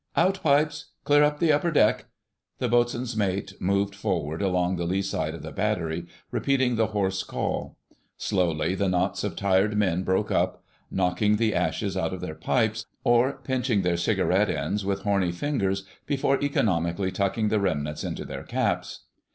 * "Out pipes! Clear up the upper deck!" The Boatswain Mate moved forward along the lee side of the battery repeating the hoarse call. Slowly the knots of tired men broke up, knocking the ashes out of their pipes, or pinching their cigarette ends with horny fingers before economically tucking the remnants into their caps.